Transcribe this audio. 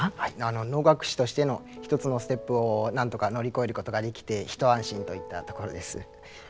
能楽師としての一つのステップをなんとか乗り越えることができて一安心といったところです。